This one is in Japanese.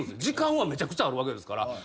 時間はめちゃくちゃあるわけですから。